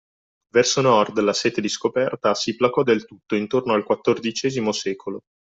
Verso Nord, la sete di scoperta si placò del tutto intorno al XIV secolo